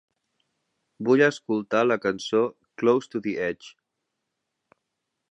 Vull escoltar la cançó "Close to the Edge"